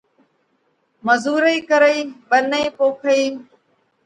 مزُورئي ڪرئِي، ٻنَئِي پوکئِي